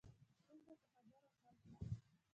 ستونزه په خبرو حل کړه